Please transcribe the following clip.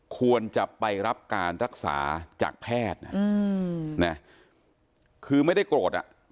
ควรจะไปรับการรักษาจากแพทย์นะคือไม่ได้โกรธอ่ะ